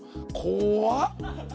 怖っ！